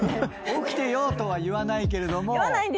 起きてよとは言わないけれども。